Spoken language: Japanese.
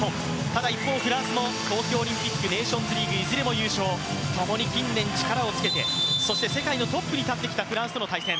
ただ、一方、フランスも東京オリンピック、ネーションズリーグ、優勝ともに近年力をつけて世界のトップに立ってきたフランスとの対戦。